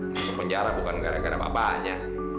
masuk penjara bukan gara gara bapaknya